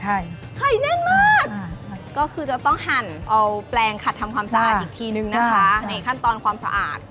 ไข่แน่นมากก็คือจะต้องหั่นเอาแปลงขัดทำความสะอาดอีกทีนึงนะคะในขั้นตอนความสะอาด